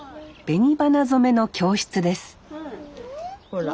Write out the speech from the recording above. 紅花染めの教室ですほら。